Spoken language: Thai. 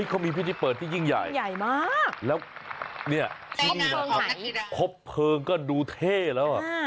เขามีพิธีเปิดที่ยิ่งใหญ่แล้วนี่ที่นี่มาครับพบเพิงก็ดูเท่แล้ว